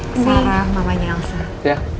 sarah mamanya elsa